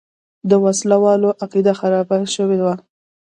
د وسله والو عقیده خرابه شوې وه.